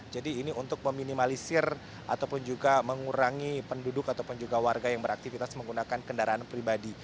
jadi ini untuk meminimalisir ataupun juga mengurangi penduduk ataupun juga warga yang beraktivitas menggunakan kendaraan pribadi